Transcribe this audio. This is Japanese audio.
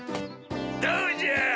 どうじゃ！